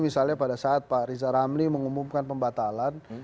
misalnya pada saat pak riza ramli mengumumkan pembatalan